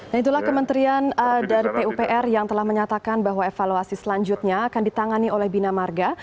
nah itulah kementerian dari pupr yang telah menyatakan bahwa evaluasi selanjutnya akan ditangani oleh bina marga